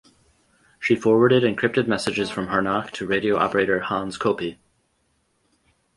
She forwarded encrypted messages from Harnack to radio operator Hans Coppi.